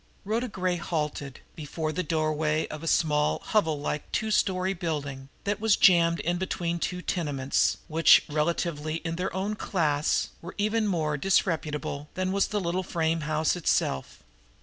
Rhoda Gray had halted before the doorway of a small, hovel like, two story building that was jammed in between two tenements, which, relatively, in their own class, were even more disreputable than was the little frame house itself.